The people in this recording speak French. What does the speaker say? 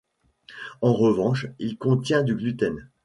En revance, il contient du gluten.